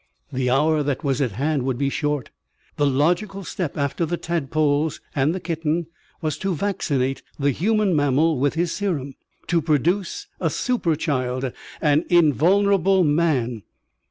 The hour that was at hand would be short. The logical step after the tadpoles and the kitten was to vaccinate the human mammal with his serum. To produce a super child, an invulnerable man.